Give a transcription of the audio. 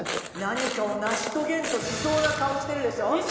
何かを成し遂げんとしそうな顔してるでしょ？